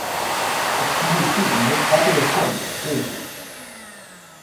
Its county seat and most populous city is Syracuse.